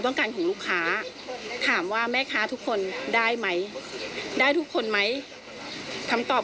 ต้องทำอย่างไรค่ะ